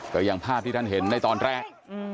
ก็ยังภาพที่ท่านเห็นได้ตอนแรก